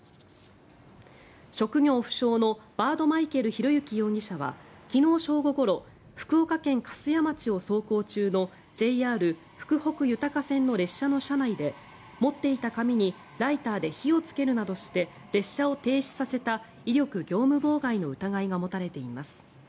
職業不詳のバード・マイケル裕之容疑者は昨日正午ごろ福岡県粕屋町を走行中のＪＲ福北ゆたか線の列車の車内で持っていた紙にライターで火をつけるなどして列車を停止させた威力業務妨害の疑いが持たれています。